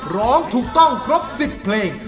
ร้องถูกต้องครบ๑๐เพลง